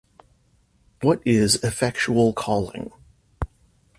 What is effectual calling?